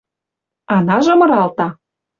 Анажы мыралта: